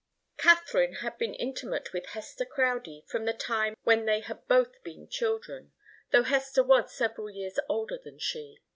Katharine had been intimate with Hester Crowdie from the time when they had both been children, though Hester was several years older than she.